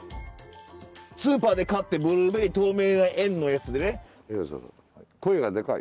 スーパーで買ってブルーベリー透明な円のやつでね。